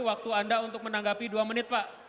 waktu anda untuk menanggapi dua menit pak